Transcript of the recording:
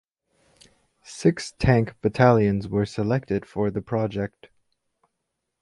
Six Tank Battalions were selected for the project.